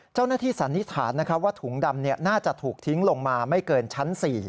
เจ้าหน้าที่สันนิษฐานนะครับว่าถุงดำน่าจะถูกทิ้งลงมาไม่เกินชั้น๔